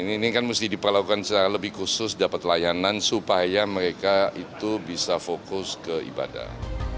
ini kan mesti diperlakukan secara lebih khusus dapat layanan supaya mereka itu bisa fokus ke ibadah